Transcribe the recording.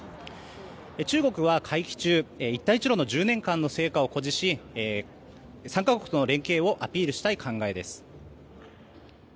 中国は会期中、一帯一路の１０年間の成果を誇示し参加国との連携をアピールしたい考えです。